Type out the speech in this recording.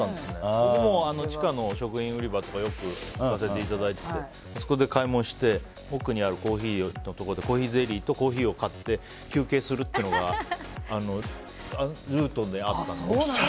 僕も地下の食品売り場とか行かせていただいてあそこで買い物をして、奥でコーヒーゼリーとコーヒーを買って休憩するってのがルートであったんです。